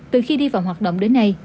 từ khi đi vào hoạt động đến nay